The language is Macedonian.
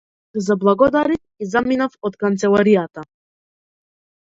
Му се заблагодарив и заминав од канцеларијата.